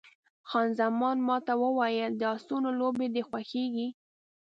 خان زمان ما ته وویل، د اسونو لوبې دې خوښېږي؟